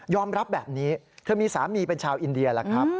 รับแบบนี้เธอมีสามีเป็นชาวอินเดียแล้วครับ